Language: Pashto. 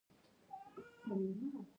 چیني ځکه ورپسې خپه دی ډېره یې مینه ورسره وه.